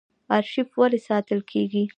ارشیف ولې ساتل کیږي؟